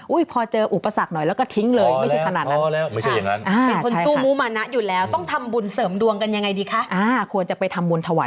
อุ๊ยพอเจออุปสรรคหน่อยแล้วก็ทิ้งเลย